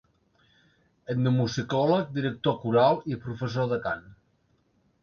Etnomusicòleg, director coral i professor de cant.